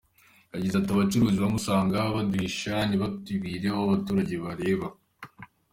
Yagize ati “Abacuruzi bamwe usanga baduhisha, ntibatushyire aho abaturage bareba.